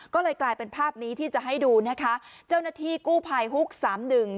ก็เลยกลายเป็นภาพนี้ที่จะให้ดูนะคะเจ้าหน้าที่กู้ภัยฮุกสามหนึ่ง